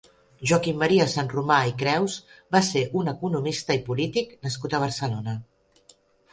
Joaquim Maria Sanromà i Creus va ser un economista i polític nascut a Barcelona.